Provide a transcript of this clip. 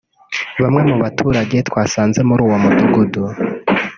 Bamwe mu baturage twasanze muri uwo mudugudu